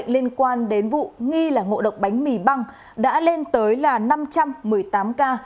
liên quan đến vụ nghi là ngộ độc bánh mì băng đã lên tới là năm trăm một mươi tám ca